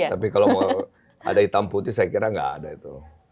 tapi kalau mau ada hitam putih saya kira nggak ada itu